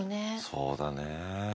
そうだね。